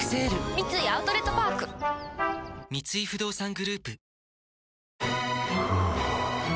三井アウトレットパーク三井不動産グループふぅ